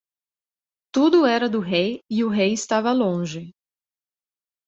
Tudo era do rei e o rei estava longe.